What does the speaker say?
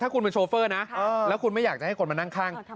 คุณเป็นโชเฟอร์นะแล้วคุณไม่อยากจะให้คนมานั่งข้าง